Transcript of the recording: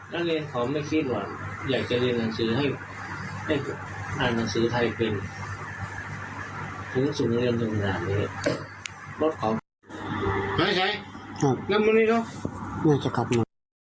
นั่นเนี่ยเขาไม่คิดว่าอยากจะเรียนหนังสือให้ให้อ่านหนังสือไทยเป็น